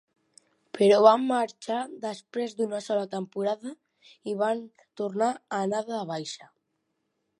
Però van marxar després d'una sola temporada i van tornar a anar de baixa.